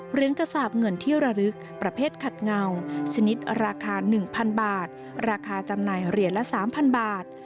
กระสาปเงินที่ระลึกประเภทขัดเงาชนิดราคา๑๐๐๐บาทราคาจำหน่ายเหรียญละ๓๐๐บาท